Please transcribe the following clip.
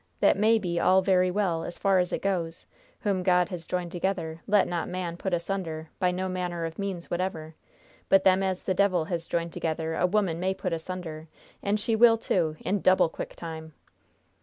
That may be all very well as far as it goes! 'Whom God has joined together, let not man put asunder' by no manner of means whatever! But them as the devil has joined together a woman may put asunder, and she will, too, in double quick time!"